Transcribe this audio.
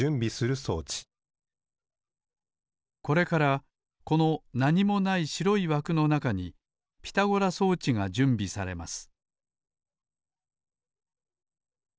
これからこのなにもないしろいわくのなかにピタゴラ装置がじゅんびされます